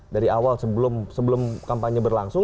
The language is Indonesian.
dari awal sebelum kampanye berlangsung